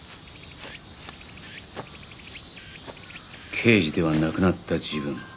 刑事ではなくなった自分